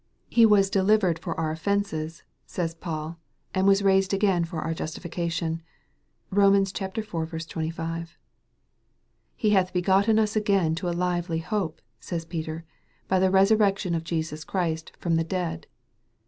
" He was delivered for our offences," says Paul, "and was raised again for our justification." (Kom. iv. 25.) " He hath hegotten us again to a lively hope," says Peter, " by the resurrection of Jesus Christ from the dead."